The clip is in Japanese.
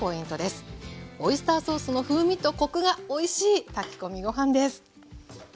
オイスターソースの風味とコクがおいしい炊き込みご飯です。